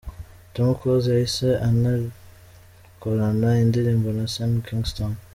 Tom Close yahise anakorana indirimbo na Sean Kingston.